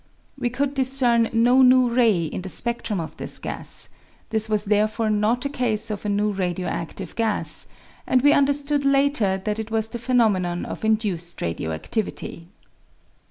We could discern no new ray in the spedtrum of this gas ; this was therefore not a case of a new radio aftive gas, and we understood later that it was the phenomenon of induced radio adivity.